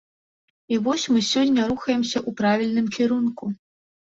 І вось мы сёння рухаемся ў правільным кірунку.